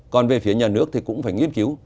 còn về phía nhà nước thì cũng phải nghiên cứu